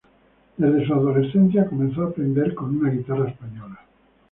Desde su adolescencia comenzó a aprender con una guitarra española.